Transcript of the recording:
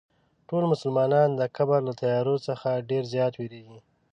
ټول مسلمانان د قبر له تیارو څخه ډېر زیات وېرېږي.